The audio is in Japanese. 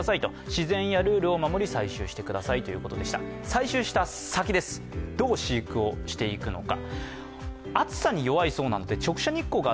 採集した先、どう飼育をしていくのか。